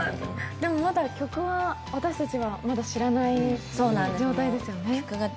でも、まだ曲は私たちはまだ知らない状態ですよね？